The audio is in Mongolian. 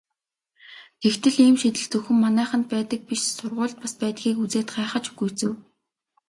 Тэгтэл ийм шийтгэл зөвхөн манайханд байдаг биш сургуульд бас байдгийг үзээд гайхаж гүйцэв.